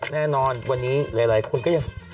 แน่นอนวันนี้อะไรคุณก็ยัง